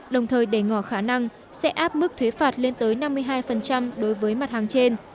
đồng thời để ngỏ khả năng sẽ áp mức thuế phạt lên tới năm mươi hai đối với mặt hàng trên